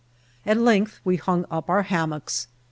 At length we hung up our hammocks.